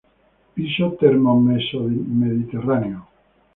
Piso Termo-Mesomediterráneo.